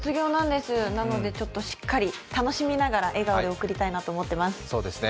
なので、しっかり楽しみながら笑顔で送りたいなと思っています。